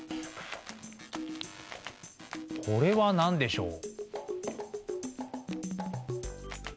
これは何でしょう？